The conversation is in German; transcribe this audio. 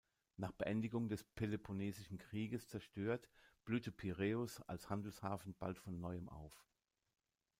Nach Beendigung des Peloponnesischen Krieges zerstört, blühte Piräus als Handelshafen bald von Neuem auf.